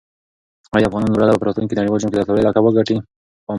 آیا افغان لوبډله به په راتلونکي نړیوال جام کې د اتلولۍ لقب وګټي؟